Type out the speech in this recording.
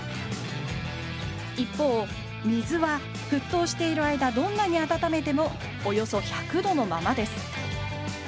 一方水は沸騰している間どんなに温めてもおよそ１００度のままです。